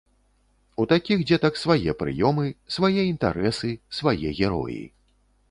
У такіх дзетак свае прыёмы, свае інтарэсы, свае героі.